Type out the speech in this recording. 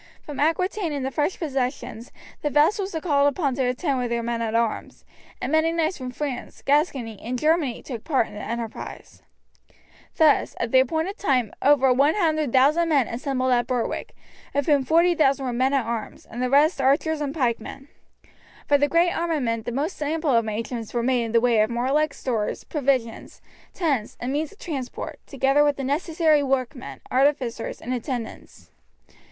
From Aquitaine and the French possessions the vassals were called upon to attend with their men at arms, and many knights from France, Gascony, and Germany took part in the enterprise. Thus, at the appointed time over 100,000 men assembled at Berwick, of whom 40,000 were men at arms, and the rest archers and pikemen. For the great armament the most ample arrangements were made in the way of warlike stores, provisions, tents, and means of transport, together with the necessary workmen, artificers, and attendants.